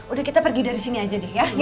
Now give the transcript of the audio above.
udah kita pergi dari sini aja deh ya